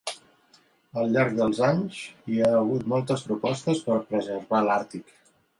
Al llarg dels anys, hi ha hagut moltes propostes per preservar l'Àrtic.